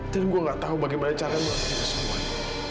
dan gue gak tau bagaimana caranya melakukannya semuanya